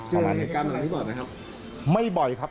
เจออะไรเหตุการณ์เหมือนกันบ่อยไหมครับไม่บ่อยครับ